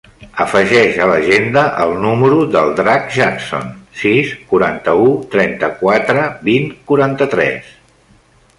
Afegeix a l'agenda el número del Drac Jackson: sis, quaranta-u, trenta-quatre, vint, quaranta-tres.